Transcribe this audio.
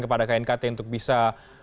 kepada knkt untuk bisa